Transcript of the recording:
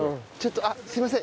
あっすみません。